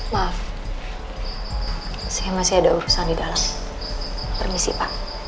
maaf saya masih ada urusan di dalam permisi pak